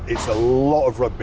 itu adalah banyak rugby